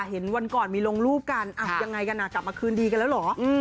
เห็นวันก่อนมีลงรูปกันยังไงกันกลับมาคืนดีกันแล้วเหรอ